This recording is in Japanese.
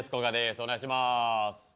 お願いします。